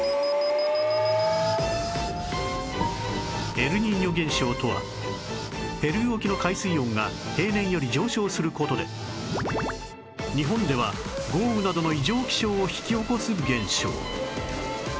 エルニーニョ現象とはペルー沖の海水温が平年より上昇する事で日本では豪雨などの異常気象を引き起こす現象